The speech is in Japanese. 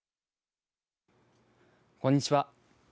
こんにちは。